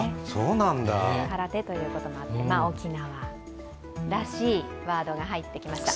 空手ということもあって、沖縄らしいワードが入ってきました。